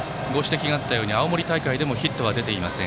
青森大会でもヒットは出てません。